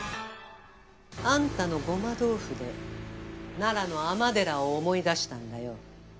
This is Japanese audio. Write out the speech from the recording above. あんたのごま豆腐で奈良の尼寺を思い出したんだよ。